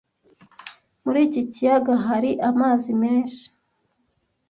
Muri iki kiyaga hari amazi menshi